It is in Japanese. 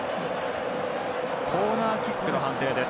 コーナーキックの判定です。